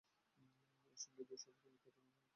এর সঙ্গে এই দুই শাসকের মিত্রতার কোন সম্পর্ক নেই।